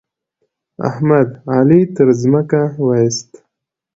احمد؛ علي تر ځمکه واېست.